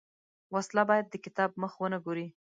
وسله باید د کتاب مخ ونه ګوري